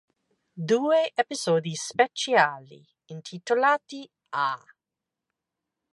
Due episodi speciali intitolati "Aa!